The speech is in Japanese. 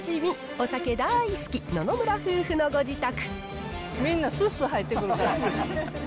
お酒大好き野々村夫婦のご自宅。